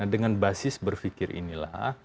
dengan basis berfikir inilah